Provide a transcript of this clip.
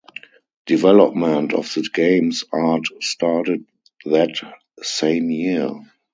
Development of the game's art started that same year.